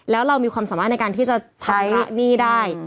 แล้วเรามีความสามารถในการที่จะใช้หนี้ได้